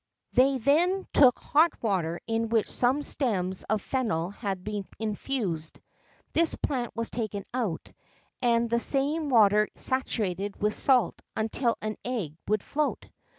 They then took hot water in which some stems of fennel had been infused; this plant was taken out, and the same water saturated with salt until an egg would float.